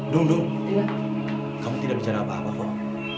dudung kamu tidak bicara apa apa pak